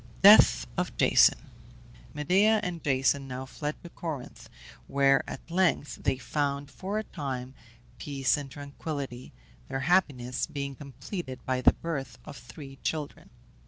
DEATH OF JASON. Medea and Jason now fled to Corinth, where at length they found, for a time, peace and tranquillity, their happiness being completed by the birth of three children.